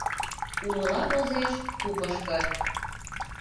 Умыла возеш купышко